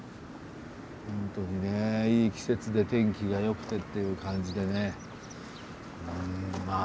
ホントにねいい季節で天気が良くてっていう感じでねまあ